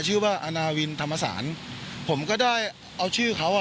ชื่อว่าอาณาวินธรรมสรรค์ผมก็ด้อยเอาชื่อเขาอ่ะ